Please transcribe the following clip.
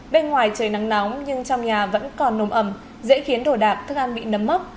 bên ngoài trời nắng nóng nhưng trong nhà vẫn còn nồm ẩm dễ khiến đồ đạc thức ăn bị nấm mốc